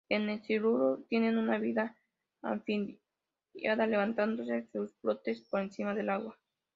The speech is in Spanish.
En el Silúrico, tienen una vida anfibia, levantando sus brotes por encima del agua.